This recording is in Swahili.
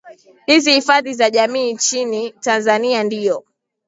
hizi hifadhi za jamii nchini tanzania ndiyo